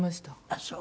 ああそう。